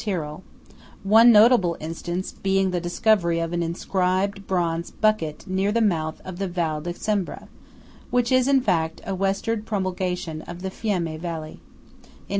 Tyrol:–one notable instance being the discovery of an inscribed bronze bucket near the mouth of the Val di Cembra (which is, in fact, a Westward prolongation of the Fiemme Valley) in 1828.